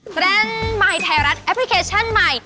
เตรนด์มาให้แถวรัฐแอปพลิเคชันใหม่